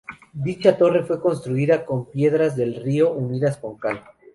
Dicha torre fue construida con piedras del río unidas con cal.